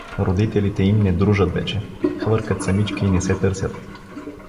Родителите им не дружат вече, хвъркат самички и не се търсят.